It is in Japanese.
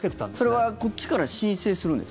それは、こっちから申請するんですか？